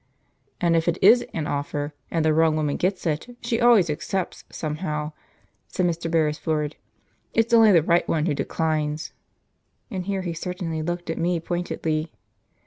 "And if it is an offer, and the wrong woman gets it, she always accepts, somehow," said Mr. Beresford; "It's only the right one who declines!" and here he certainly looked at me pointedly.